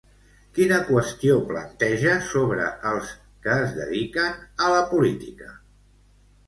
Quina qüestió planteja sobre els que es dediquen a la política?